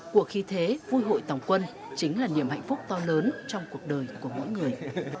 của khi thế vui hội tòng quân chính là niềm hạnh phúc to lớn trong cuộc đời của mỗi người